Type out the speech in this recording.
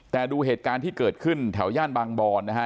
แต่ดูเหตุการณ์ที่เกิดขึ้นแถวย่านบางบอนนะฮะ